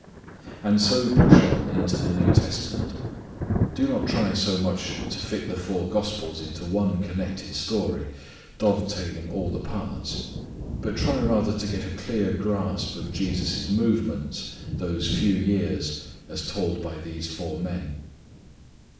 And so push on into the New Testament. Do not try so much to fit the four gospels into one connected story, dovetailing all the parts; but try rather to get a clear grasp of Jesus' movements those few years as told by these four men.